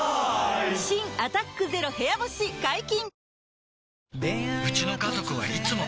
新「アタック ＺＥＲＯ 部屋干し」解禁‼